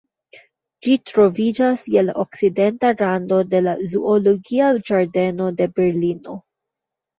Ĝi troviĝas je la okcidenta rando de la Zoologia ĝardeno de Berlino.